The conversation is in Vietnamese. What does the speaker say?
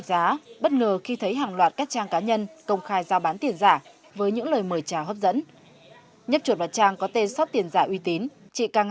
sau khi thanh toán một triệu đồng